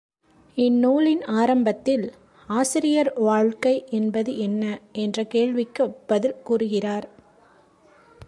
இந் நூலின் ஆரம்பத்தில் ஆசிரியர் வாழ்க்கை என்பது என்ன? என்ற கேள்விக்குப் பதில் கூறுகிறார்.